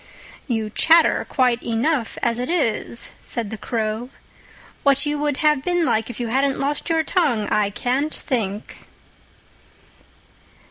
"You chatter quite enough as it is," said the Crow. "What you would have been like if you hadn't lost your tongue, I can't think."